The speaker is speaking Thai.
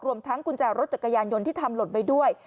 ทั้งกุญแจรถจักรยานยนต์ที่ทำหล่นไว้ด้วย